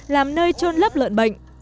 làm nơi trôn lấp lợn bệnh